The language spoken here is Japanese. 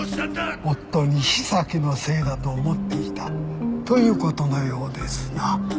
夫西崎のせいだと思っていたということのようですな。